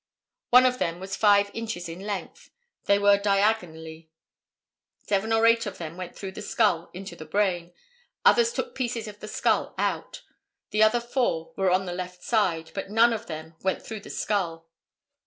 One of them was five inches in length. They were diagonally. Seven or eight of them went through the skull into the brain. Others took pieces of the skull out. The other four were on the left side, but none of them went through the skull.